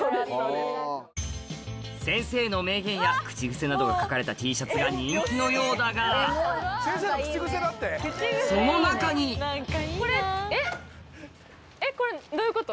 先生の名言や口癖などが書かれたＴシャツが人気のようだがこれどういうこと？